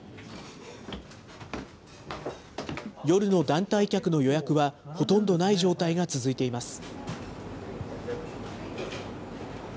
夜の団体客の予約は、ほとんどない状態が続いています。